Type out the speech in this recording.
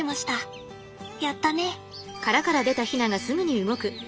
やったね。